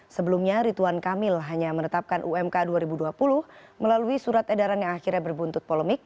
sebelumnya rituan kamil hanya menetapkan umk dua ribu dua puluh melalui surat edaran yang akhirnya berbuntut polemik